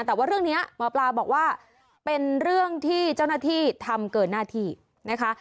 แต่ว่าเรื่องนี้หมอปลาบอกว่าเป็นเรื่องที่เจ้าหน้าที่ทำเกินหน้าที่นะคะ